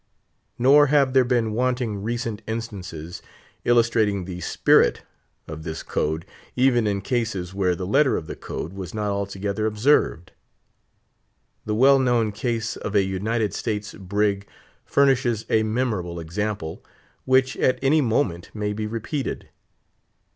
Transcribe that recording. Nor have there been wanting recent instances, illustrating the spirit of this code, even in cases where the letter of the code was not altogether observed. The well known case of a United States brig furnishes a memorable example, which at any moment may be repeated.